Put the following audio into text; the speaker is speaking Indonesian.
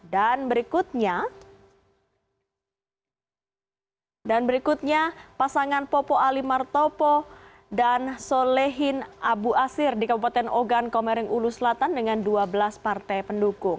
dan berikutnya pasangan popo ali martopo dan solehin abu asir di kabupaten ogan komering ulu selatan dengan dua belas partai pendukung